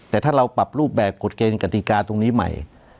แต่ถ้าเราปรับรูปแบบกฎเกณฑ์กติกาตรงนี้ใหม่